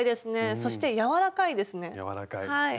そして柔らかいですね。